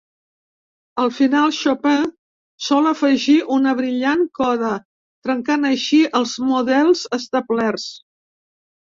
Al final, Chopin sol afegir una brillant coda, trencant així els models establerts.